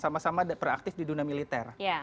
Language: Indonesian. sama sama dan praktis di dunia militer